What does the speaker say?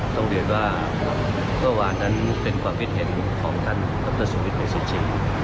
ต้องเรียนว่าเมื่อวานนั้นเป็นความคิดเห็นของท่านดรสุวิทยุ